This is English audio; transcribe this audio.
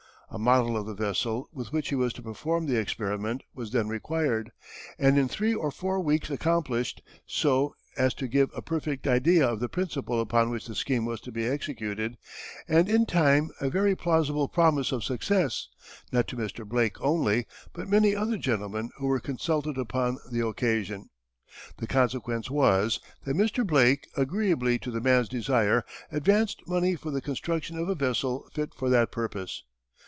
A model of the vessel, with which he was to perform the experiment, was then required, and in three or four weeks accomplished, so as to give a perfect idea of the principle upon which the scheme was to be executed, and, in time, a very plausible promise of success, not to Mr. Blake only, but many other gentlemen who were consulted upon the occasion. The consequence was, that Mr. Blake, agreeably to the man's desire, advanced money for the construction of a vessel fit for that purpose.